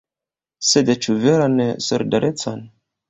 Sed ĉu veran solidarecon?